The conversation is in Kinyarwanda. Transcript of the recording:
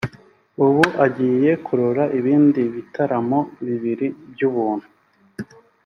ubu agiye gukora ibindi bitaramo bibiri by’ubuntu